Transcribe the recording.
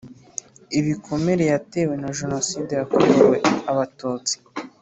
ibikomere yatewe na Jenoside yakorewe abatutsi